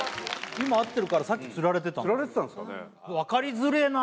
今合ってるからさっきつられてたの？